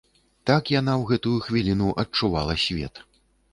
Так яна ў гэтую хвіліну адчувала свет.